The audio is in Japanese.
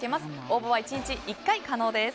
応募は１日１回可能です。